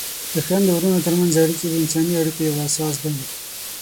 د خویندو ورونو ترمنځ اړیکې د انساني اړیکو یوه اساس ده.